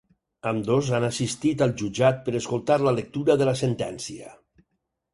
Ambdós han assistit al jutjat per escoltar la lectura de la sentència.